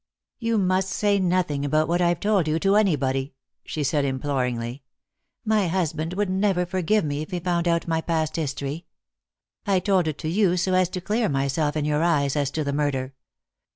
"You must say nothing about what I've told you to anybody," she said imploringly. "My husband would never forgive me if he found out my past history. I told it to you so as to clear myself in your eyes as to the murder.